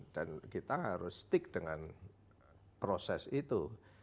dan kita harus stick dengan proses itu